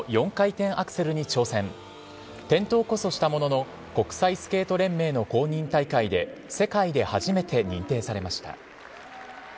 転倒こそしたものの、国際スケート連盟の公認大会で、世界で初めて認定されました。